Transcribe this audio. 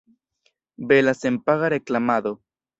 Bela senpaga reklamado.